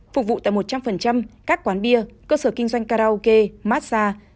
phục vụ tại một trăm linh các quán bia cơ sở kinh doanh karaoke massage